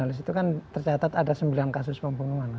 itu kan tercatat ada sembilan kasus pembunuhan